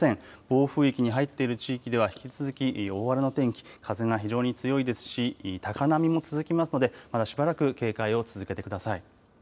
暴風域に入っている地域では引き続き大荒れの天気、風が非常に強いですし高波も続きますのでまだしばらく警戒を続けてください。